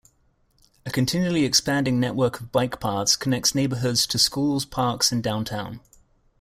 A continually expanding network of bike paths connects neighborhoods to schools, parks and downtown.